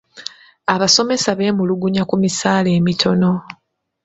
Abasomesa beemulugunya ku misaala emitono.